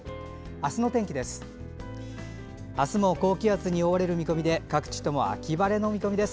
あすも高気圧に覆われる見込みで各地とも秋晴れの見込みです。